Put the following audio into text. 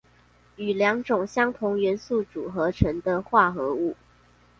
由兩種相同元素組成的化合物